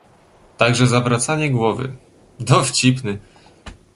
"Także zawracanie głowy... Dowcipny!"